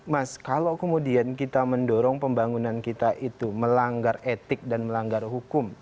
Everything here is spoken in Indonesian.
mas kalau kemudian kita mendorong pembangunan kita itu melanggar etik dan melanggar hukum